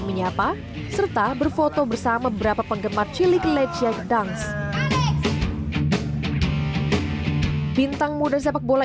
menyapa serta berfoto bersama beberapa penggemar cilik leciak dance bintang muda sepak bola